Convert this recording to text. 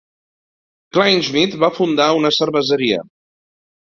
Kleinschmidt va fundar una cerveseria.